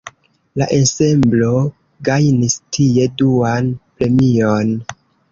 La ensemblo gajnis tie duan premion.